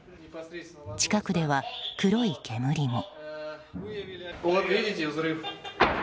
近くでは黒い煙も。